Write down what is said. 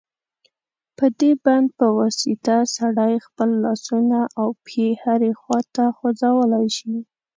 په دې بند په واسطه سړی خپل لاسونه او پښې هرې خواته خوځولای شي.